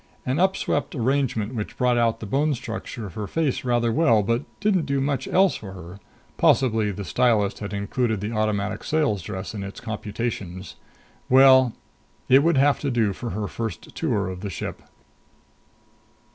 An upswept arrangement which brought out the bone structure of her face rather well but didn't do much else for her. Possibly the stylist had included the Automatic Sales dress in its computations. Well, it would have to do for her first tour of the ship.